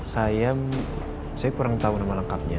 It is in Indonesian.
saya kurang tahu nama lengkapnya